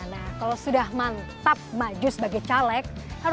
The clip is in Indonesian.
nah kalau sudah mantap maju sebagai caleg